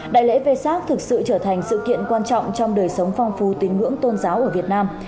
đại lễ vê sác thực sự trở thành sự kiện quan trọng trong đời sống phong phú tín ngưỡng tôn giáo ở việt nam